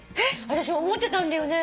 私思ってたんだよね。